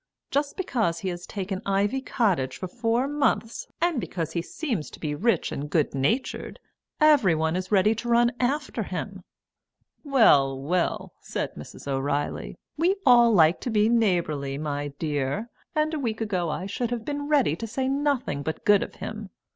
Just because he has taken Ivy Cottage for four months, and because he seems to be rich and good natured, every one is ready to run after him." "Well, well," said Mrs. O'Reilly, "we all like to be neighbourly, my dear, and a week ago I should have been ready to say nothing but good of him.